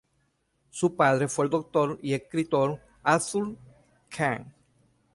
Su padre fue el doctor y escritor Arthur Kahn.